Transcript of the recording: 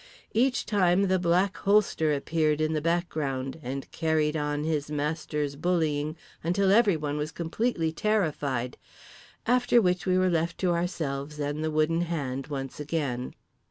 Each time, the Black Holster appeared in the background and carried on his master's bullying until everyone was completely terrified—after which we were left to ourselves and the Wooden Hand once again.